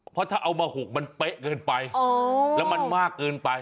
เพราะถ้าเอามาหกมันเป๊ะเกินไปแล้วมันมากเกินไป